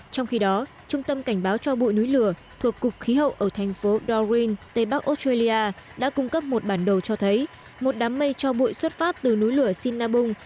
trong khi đó trung tâm cảnh báo cho bụi núi lửa thuộc cục khí hậu ở thành phố dorin tây bắc australia đã cung cấp một bản đồ cho thấy một đám mây cho bụi xuất phát từ núi lửa sinabung